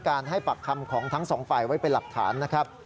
ให้ปากคำของทั้งสองฝ่ายไว้เป็นหลักฐานนะครับ